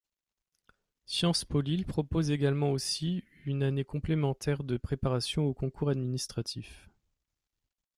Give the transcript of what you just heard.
Sciences Po Lille propose également aussi une année complémentaire de préparation aux concours administratifs.